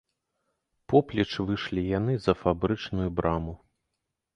Поплеч выйшлі яны за фабрычную браму.